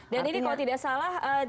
dan ini kalau tidak salah